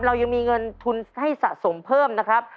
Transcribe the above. เรายังมีเงินทุนให้สะสมเพิ่มนะครับ